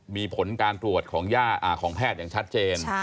มีผลการตรวจของแพทย์อย่างชัดเจน